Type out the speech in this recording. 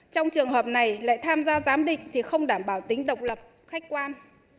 trong trường hợp này lại tham gia giám định thì không đảm bảo tính độc lập khách quan